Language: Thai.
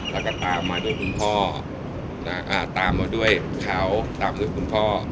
แล้วก็ตามมาด้วยคุณพ่อตามมาด้วยเขาตามด้วยคุณพ่อ